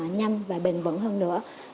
nhanh và bền vận hơn nữa